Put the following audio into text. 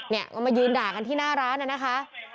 ไปยืนดาขันที่หน้าร้านนี่นะคะ